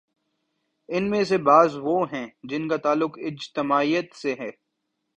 ان میں سے بعض وہ ہیں جن کا تعلق اجتماعیت سے ہے۔